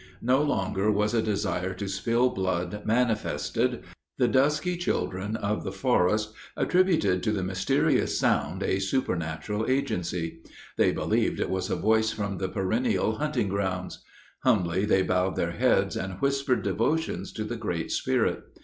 No longer was a desire to spill blood manifested. The dusky children of the forest attributed to the mysterious sound a supernatural agency. They believed it was a voice from the perennial hunting grounds. Humbly they bowed their heads, and whispered devotions to the Great Spirit.